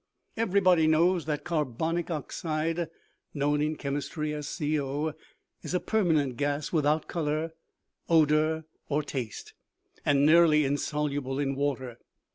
" Everybody knows that carbonic oxide (known in chemistry as co) is a permanent gas without odor, color or taste, and nearly insoluble in water.